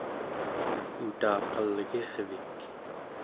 Utaqalgirvik